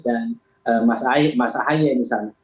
dan mas ahe misalnya